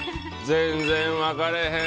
全然分からへん。